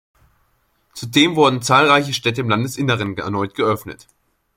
Zudem wurden zahlreiche Städte im Landesinneren erneut geöffnet.